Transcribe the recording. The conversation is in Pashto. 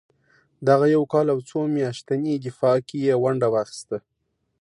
دغه یو کال او څو میاشتني دفاع کې یې ونډه واخیسته.